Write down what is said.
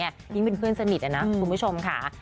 ยิ่งเป็นเพื่อนสนิทนะคุณผู้ชมค่ะ